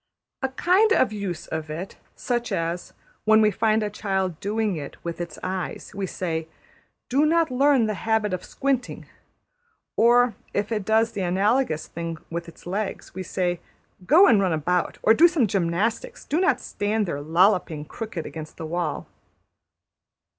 A kind of use of it, such as, when we find a child doing it with its eyes, we say, ``Do not learn the habit of squinting''; or if it does the analogous thing with its legs, we say, ``Go and run about, or do some gymnastics; do not stand there lolloping crooked against the wall.''